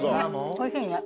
おいしいね。